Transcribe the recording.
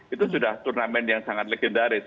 itu sudah turnamen yang sangat legendaris